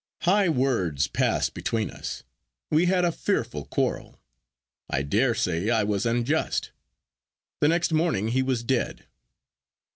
High words passed between us; we had a fearful quarrel. I dare say I was unjust. The next morning he was dead.